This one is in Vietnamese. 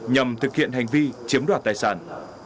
nhằm thực hiện hành vi chiếm đoạt tài sản